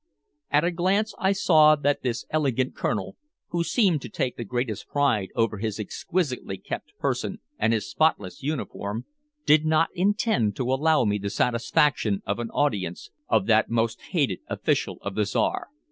At a glance I saw that this elegant Colonel, who seemed to take the greatest pride over his exquisitely kept person and his spotless uniform, did not intend to allow me the satisfaction of an audience of that most hated official of the Czar.